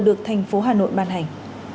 được thành phố hà nội ban hành